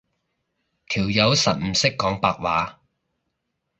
條友實唔識講白話